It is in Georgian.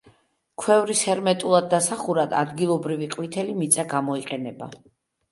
ქვევრის ჰერმეტულად დასახურად ადგილობრივი ყვითელი მიწა გამოიყენება.